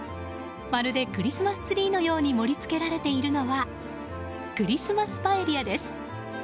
まるでクリスマスツリーのように盛り付けられているのはクリスマスパエリアです。